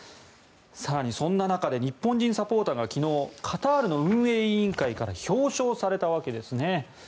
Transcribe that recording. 更にそんな中で日本人サポーターが昨日カタールの運営委員会から表彰されたわけですね。